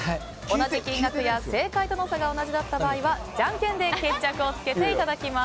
同じ金額や正解との差が同じだった場合はじゃんけんで決着をつけていただきます。